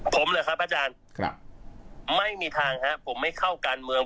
ผมเหรอครับอาจารย์ไม่มีทางครับผมไม่เข้าการเมือง